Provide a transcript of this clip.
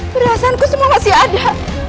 perasaanku semua masih ada